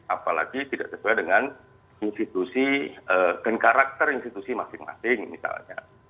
apalagi tidak sesuai dengan institusi dan karakter institusi masing masing misalnya